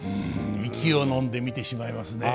息をのんで見てしまいますね。